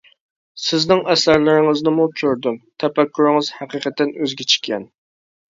سىزنىڭ ئەسەرلىرىڭىزنىمۇ كۆردۈم، تەپەككۇرىڭىز ھەقىقەتەن ئۆزگىچە ئىكەن.